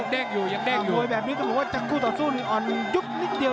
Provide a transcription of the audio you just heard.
ถ้าหม่อยแบบนี้คิดว่าสถานฝุ่นต่อสู้หนึ่งอ่อนยุบนิดเดียว